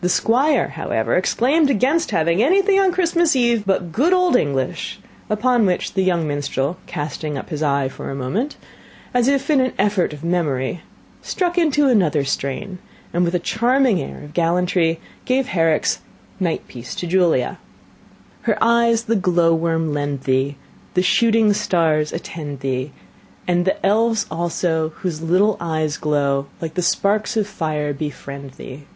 The Squire, however, exclaimed against having anything on Christmas eve but good old English; upon which the young minstrel, casting up his eye for a moment, as if in an effort of memory, struck into another strain, and, with a charming air of gallantry, gave Herrick's "Night Piece to Julia:" "Her eyes the glow worm lend thee, The shooting stars attend thee, And the elves also, Whose little eyes glow Like the sparks of fire, befriend thee.